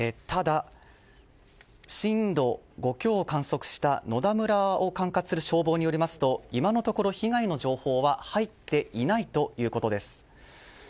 ただ震度５強を観測した野田村を管轄する消防によりますと今のところ被害の情報は入っていないということです。